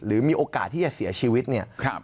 มีโอกาสที่จะเสียชีวิตเนี่ย